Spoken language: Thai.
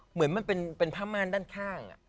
เหมือนมันเป็นผ้าม่านด้านข้าง